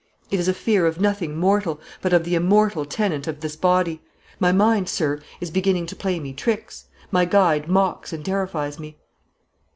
It is a fear of nothing mortal, but of the immortal tenant of this body. My mind; sir, is beginning to play me tricks; my guide mocks and terrifies me."